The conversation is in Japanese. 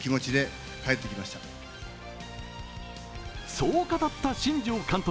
そう語った新庄監督。